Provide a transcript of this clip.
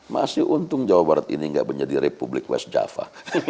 masih untung jawa barat ini nggak menjadi republik west java